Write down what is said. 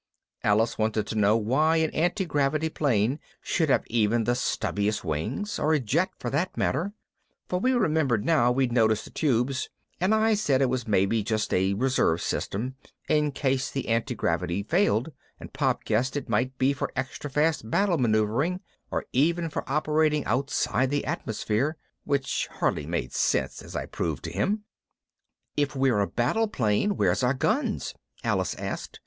Alice wanted to know why an antigravity plane should have even the stubbiest wings or a jet for that matter, for we remembered now we'd noticed the tubes, and I said it was maybe just a reserve system in case the antigravity failed and Pop guessed it might be for extra fast battle maneuvering or even for operating outside the atmosphere (which hardly made sense, as I proved to him). "If we're a battle plane, where's our guns?" Alice asked.